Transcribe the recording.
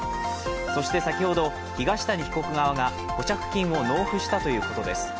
そして先ほど東谷被告側が保釈金を納付したということです。